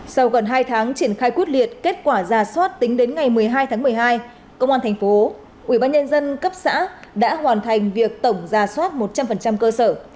sau gần hai tháng triển khai quốc liệt kết quả ra soát tính đến ngày một mươi hai tháng một mươi hai công an tp hcm đã hoàn thành việc tổng ra soát một trăm linh cơ sở